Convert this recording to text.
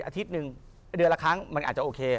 อาทิตย์หนึ่งเดือนละครั้งมันอาจจะโอเค